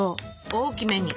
大きめに。